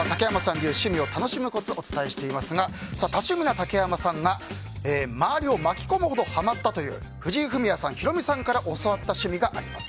流趣味を楽しむコツをお伝えしていますが多趣味な竹山さんが周りを巻き込むほどハマったという藤井フミヤさん、ヒロミさんから教わった趣味があります。